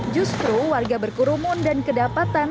justru warga berkerumun dan kedapatan